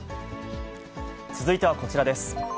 続いてはこちらです。